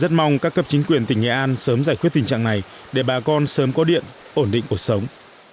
rất mong các cấp chính quyền tỉnh nghệ an sớm giải quyết tình trạng này để bà con sớm có điện ổn định cuộc sống